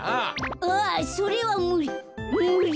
あっそれはむりむり。